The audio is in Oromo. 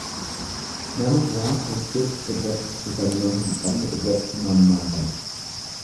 Nama waan hojjetu irratti kutannoo hin qabne irratti mammaakama.